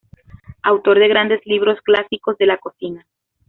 Autor de grandes libros clásicos de la cocina.